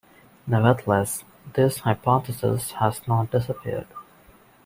Nevertheless, this hypothesis has not disappeared.